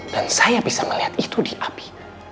dan saya bisa melihat itu di api